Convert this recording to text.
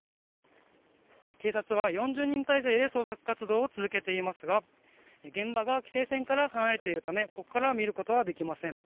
警察は４０人態勢で捜索活動を続けていますが現場が規制線から離れているためここから見ることはできません。